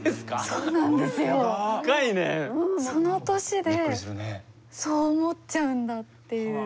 その年でそう思っちゃうんだっていう。